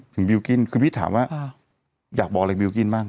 บิลกิ้นคือพี่ถามว่าอยากบอกอะไรบิลกิ้นบ้าง